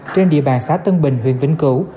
trên địa bàn xã tân bình huyền vĩnh cửu